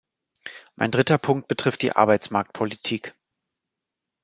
Mein dritter Punkt betrifft die Arbeitsmarktpolitik.